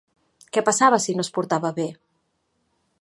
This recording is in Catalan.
Què passava si no es portava bé?